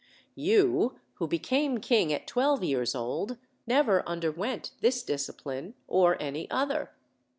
You, who became king at twelve years old, never under went this discipline, or any other.